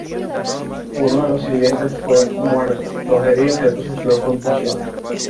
Uno de los sirvientes fue muerto, dos heridos y otro sufrió de contusiones.